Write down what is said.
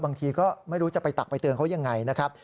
บางทีก็ไม่รู้จะไปตักไปเตือนเขายังไงนะครับ